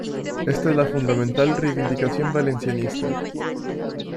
Esta es la fundamental reivindicación valencianista.